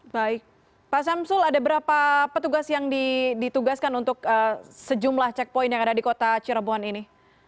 baik pak samsul ada berapa petugas yang ditugaskan untuk sejumlah checkpoint yang ada di kota cirebon ini